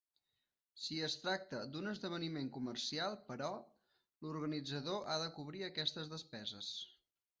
Si es tracta d'un esdeveniment comercial, però, l'organitzador ha de cobrir aquestes despeses.